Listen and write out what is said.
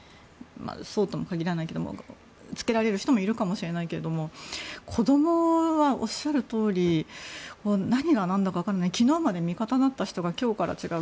そうとも限らないけれどもつけられる人もいるかもしれないけれども子供はおっしゃるとおり何が何だか分からない昨日まで味方だった人が今日から違う。